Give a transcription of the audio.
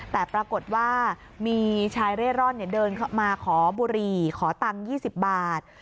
แต่ปรากฏว่ามีชายเร่ร่อนเดินมาขอบุหรี่ขอตังค์๒๐บาท